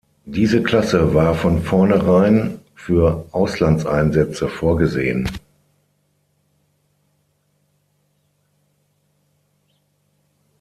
Diese Klasse war von vornherein für Auslandseinsätze vorgesehen.